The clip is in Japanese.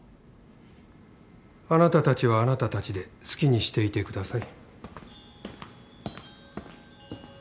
あなたたちはあなたたちで好きにしていてください。